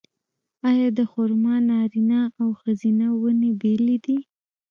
آیا د خرما نارینه او ښځینه ونې بیلې دي؟